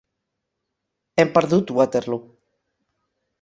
Hem perdut Waterloo.